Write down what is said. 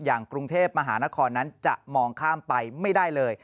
อย่างกรุงเทพมหานครนั้นจะมองข้ามไปไม่ได้เลย